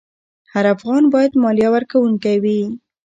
هر افغان باید مالیه ورکوونکی وي.